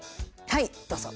はいどうぞ。